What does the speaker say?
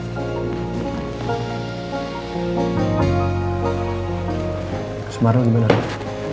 ke sumarno gimana pak